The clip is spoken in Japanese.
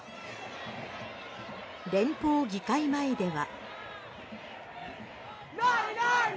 連邦議会前では。